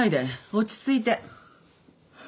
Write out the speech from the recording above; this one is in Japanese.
落ち着いて。